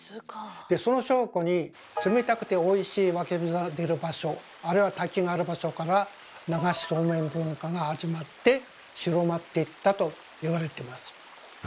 でその証拠に冷たくておいしい湧き水が出る場所あるいは滝のある場所から流しそうめん文化が始まって広まっていったと言われてます。